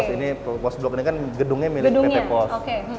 ini post block ini kan gedungnya milik pt post